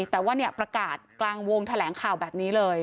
แต่ว่าประกาศกลางวงแถลงข่าวแบบนี้เลย